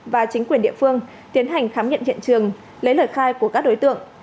và chính quyền địa phương tiến hành khám nghiệm hiện trường lấy lời khai của các đối tượng